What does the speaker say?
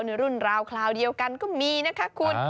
ในรุ่นราวคราวเดียวกันก็มีนะคะคุณ